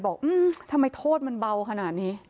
บอกทำไมโทษมันเบาขนาดนี้